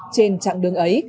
trên chặng đường ấy